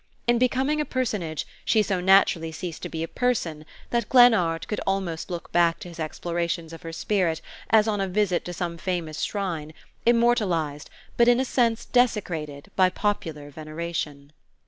In becoming a personage she so naturally ceased to be a person that Glennard could almost look back to his explorations of her spirit as on a visit to some famous shrine, immortalized, but in a sense desecrated, by popular veneration.